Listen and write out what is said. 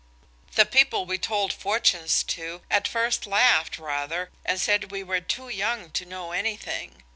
The people we told fortunes to at first laughed rather and said we were too young to know anything.